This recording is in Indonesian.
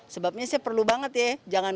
sebabnya saya perlu banget ya